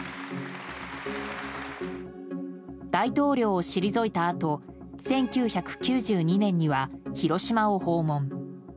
大統領を退いたあと１９９２年には広島を訪問。